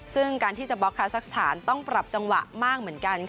ซึ่งการที่จะบล็อกคาซักสถานต้องปรับจังหวะมากเหมือนกัน